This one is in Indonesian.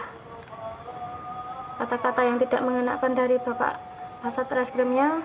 kata kata yang tidak mengenakan dari pak kaset reskrimnya